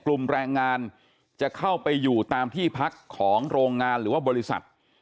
แรงงานจะเข้าไปอยู่ตามที่พักของโรงงานหรือว่าบริษัท